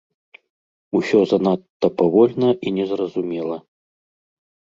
Усё занадта павольна і незразумела.